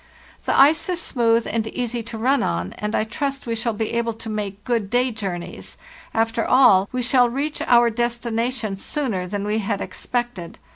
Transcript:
The ice is smooth, and easy to run on, and I trust we shall be able to make good day journeys; after all, we shall reach our destination sooner than we had expected.